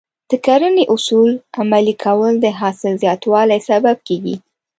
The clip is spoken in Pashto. د کرنې اصول عملي کول د حاصل زیاتوالي سبب کېږي.